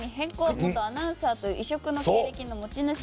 元アナウンサーという異色の経歴の持ち主